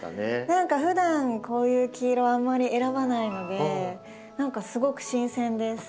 何かふだんこういう黄色をあんまり選ばないので何かすごく新鮮です。